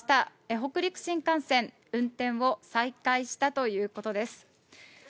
北陸新幹線、運転を再開したということです。